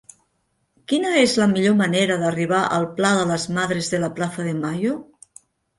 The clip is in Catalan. Quina és la millor manera d'arribar al pla de les Madres de la Plaza de Mayo?